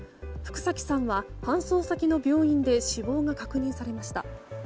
福崎さんは搬送先の病院で死亡が確認されました。